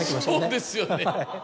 そうですよね。